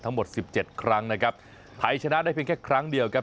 ทั้งหมดสิบเจ็ดครั้งนะครับไทยชนะได้เพียงแค่ครั้งเดียวครับ